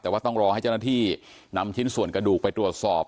แต่ว่าต้องรอให้เจ้าหน้าที่นำชิ้นส่วนกระดูกไปตรวจสอบ